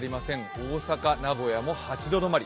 大阪、名古屋も８度止まり。